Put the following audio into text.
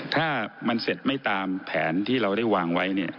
ถ้ามันเสร็จไม่ตามแผนที่เราได้วางไว้